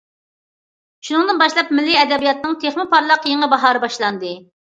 شۇنىڭدىن باشلاپ مىللىي ئەدەبىياتنىڭ تېخىمۇ پارلاق يېڭى باھارى باشلاندى.